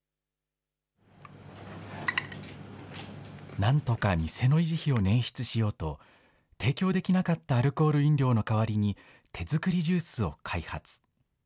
なんとか店の維持費をねん出しようと、提供できなかったアルコール飲料の代わりに、手作りジュースを開発。